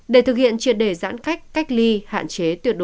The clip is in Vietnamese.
để thực hiện triệt đề giãn cách cách ly hạn chế